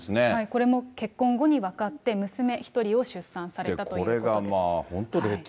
これも結婚後に分かって、娘１人を出産されたということです。